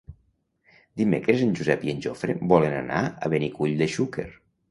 Dimecres en Josep i en Jofre volen anar a Benicull de Xúquer.